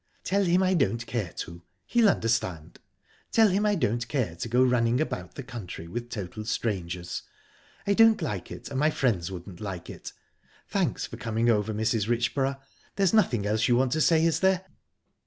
"Tell him I don't care to. He'll understand. Tell him I don't care to go running about the country with total strangers. I don't like it, and my friends wouldn't like it...Thanks for coming over, Mrs. Richborough! There's nothing else you want to say, is there?"